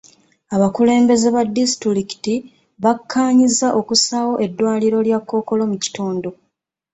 Abakulembeze ba disitulikiti bakkaanyizza okusaawo eddwaliro lya Kkookolo mu kitundu.